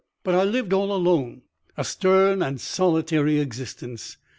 But I lived all alone, a stern and solitary existence.